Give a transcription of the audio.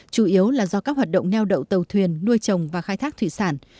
chủ yếu là do các hoạt động neo đậu tàu thuyền nuôi trồng và khai thác thủy sản